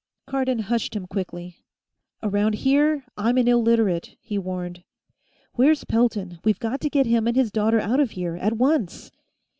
Cardon hushed him quickly. "Around here, I'm an Illiterate," he warned. "Where's Pelton? We've got to get him and his daughter out of here, at once."